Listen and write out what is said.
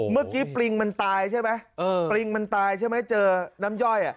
เมื่อกี้ปลิงมันตายใช่ไหมเจอน้ำย่อย